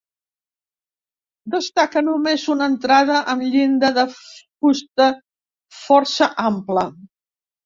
Destaca només una entrada amb llinda de fusta força ampla.